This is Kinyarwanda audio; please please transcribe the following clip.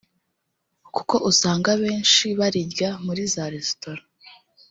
kuko usanga abenshi barirya muri za resitora